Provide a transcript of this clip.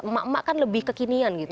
emak emak kan lebih kekinian gitu